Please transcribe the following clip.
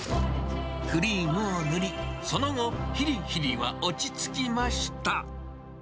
クリームを塗り、その後、ひりひりは落ち着きました。